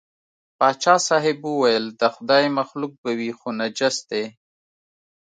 پاچا صاحب وویل د خدای مخلوق به وي خو نجس دی.